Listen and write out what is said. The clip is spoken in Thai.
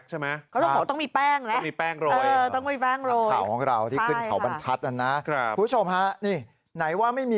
เหมือนอย่างคุณแซคใช่ไหม